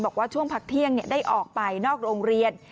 บอกว่าช่วงพักเที่ยงได้ออกไปนอกโรงเรียน